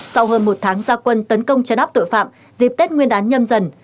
sau hơn một tháng gia quân tấn công chấn áp tội phạm dịp tết nguyên đán nhâm dần